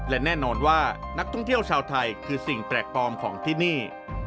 และแน่นอนว่านักท่องเที่ยวชาวไทยคือสิ่งแปลกปลอมของที่นี่